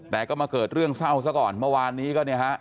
แต่ก็มาเกิดเรื่องเศร้าซะก่อนเมื่อวานนี้ก็เนี่ยฮะ